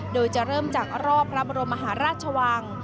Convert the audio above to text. โดยจะเริ่มจากรอบพระบรมมหาราชวัง